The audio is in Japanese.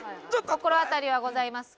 心当たりはございますか？